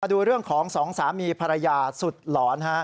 ดูเรื่องของสองสามีภรรยาสุดหลอน